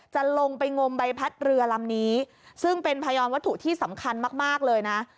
จะลงไปงมใบพัดเรือลำนี้ซึ่งเป็นพยานวัตถุที่สำคัญมากเลยนะ